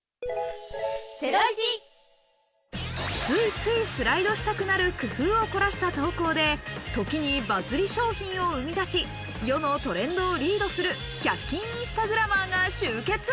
ついついスライドしたくなる工夫を凝らした投稿で、時にバズり商品を生み出し、世のトレンドをリードする１００均インスタグラマーが集結。